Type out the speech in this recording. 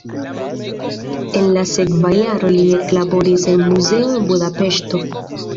En la sekva jaro li eklaboris en muzeo en Budapeŝto.